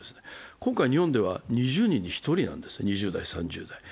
今回、日本では２０人に１人なんです、２０代、３０代。